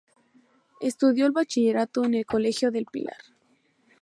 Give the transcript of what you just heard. Estudió el bachillerato en el colegio del Pilar.